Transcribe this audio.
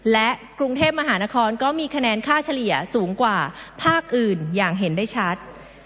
และกรุงเทพมหานครก็มีคะแนนค่าเฉลี่ยสูงกว่าภาคอื่นอย่างเห็นได้ชัด